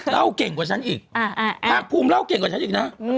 เล่าเก่งกว่าฉันอีกภาคภูมิเล่าเก่งกว่าฉันอีกนะ